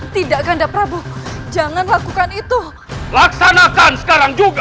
tidak ganda prabu jangan lakukan itu laksanakan sekarang juga